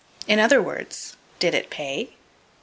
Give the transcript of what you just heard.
In other words, did it pay?